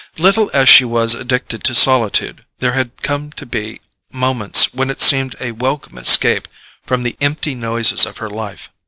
Little as she was addicted to solitude, there had come to be moments when it seemed a welcome escape from the empty noises of her life.